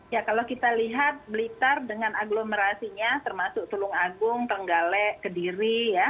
ya kalau kita lihat blitar dengan aglomerasinya termasuk tulung agung trenggalek kediri ya